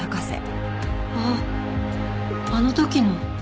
あっあの時の。